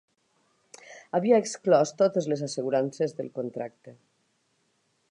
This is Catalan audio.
Havia exclòs totes les assegurances del contracte.